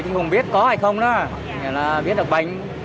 chứ không biết có hay không đó biết được bệnh